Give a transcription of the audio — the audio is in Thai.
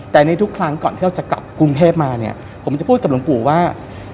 แต่ในทุกครั้งก่อนที่เราจะกลับกรุงเทพมาเนี่ยผมจะพูดกับหลวงปู่ว่า